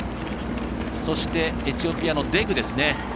そして、エチオピアのデグですね。